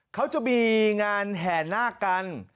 เขาจะมีงานแห่นาคกัน